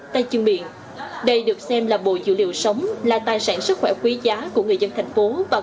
tai chương miệng đây được xem là bộ dữ liệu sống là tài sản sức khỏe quý giá của người dân thành phố